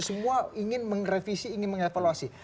semua ingin merevisi ingin mengevaluasi